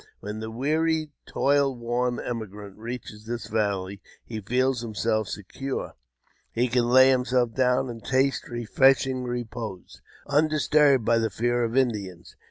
When the weary, toil worn emigrant reaches this valley, he feels himself secure ; he can lay himself down and taste re freshing repose, undisturbed by the fear of Indians.